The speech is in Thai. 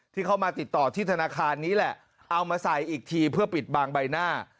ที่เขามาติดต่อที่ธนาคารนี้แหละเอามาใส่อีกทีเพื่อปิดบางใบหน้า